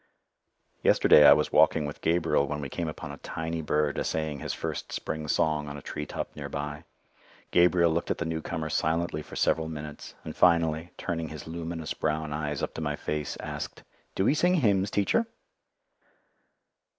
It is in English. Yesterday I was walking with Gabriel when we came upon a tiny bird essaying his first spring song on a tree top nearby. Gabriel looked at the newcomer silently for several minutes, and finally, turning his luminous brown eyes up to my face, asked, "Do he sing hymns, Teacher?"